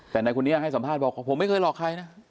แต่ในคนนี้ยังให้สัมภาษณ์บอกผมไม่เคยหลอกใครนะ